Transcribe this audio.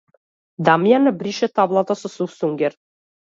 Дамјан ја брише таблата со сув сунѓер.